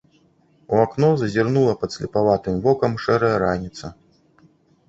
У акно зазірнула падслепаватым вокам шэрая раніца.